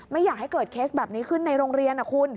ไม่อยากให้เกิดเคสแบบนี้ขึ้นในโรงเรียนนะคุณ